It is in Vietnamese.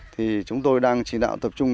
thì chúng tôi đang chỉ đạo tập trung